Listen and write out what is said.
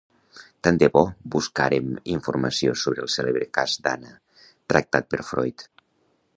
Tant de bo buscàrem informació sobre el cèlebre cas d'Anna, tractat per Freud!